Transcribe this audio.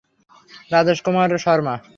Rajesh Kumar Sharma.